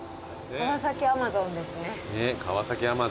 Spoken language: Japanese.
川崎アマゾンですね。